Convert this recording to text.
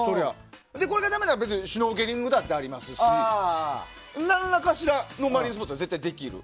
これがだめならシュノーケリングだってありますし何らかのマリンスポーツができる。